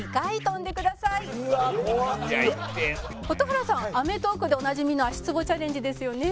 蛍原さん『アメトーーク』でおなじみの足つぼチャレンジですよね。